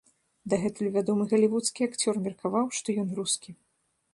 Дагэтуль вядомы галівудскі акцёр меркаваў, што ён рускі.